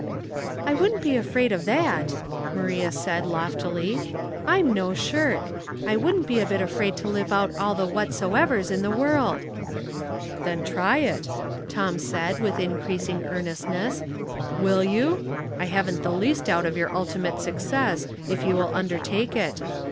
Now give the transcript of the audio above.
*' I wouldn't be afraid of that," Maria said, loftily. "I'm no shirk. I wouldn't be a bit afraid to live out all the ' whatsoevers ' in the world." '^ Then try it," Tom said, with increasing earnestness. "Will you? I haven't the least doubt of your ultimate success if you undertake it.